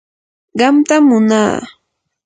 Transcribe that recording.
qamtam munaa.